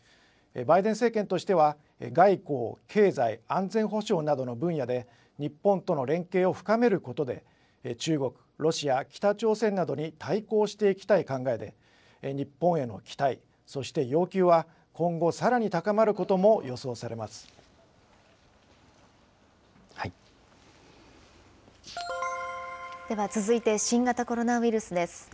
バイデン政権としては、外交、経済、安全保障などの分野で、日本との連携を深めることで、中国、ロシア、北朝鮮などに対抗していきたい考えで、日本への期待、そして要求は今後、さらに高まるでは続いて、新型コロナウイルスです。